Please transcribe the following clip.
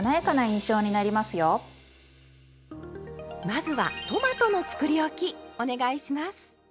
まずはトマトのつくりおきお願いします！